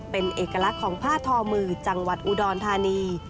เป็นเอกลักษณ์ของผ้าทอมือจังหวัดอุดรธานี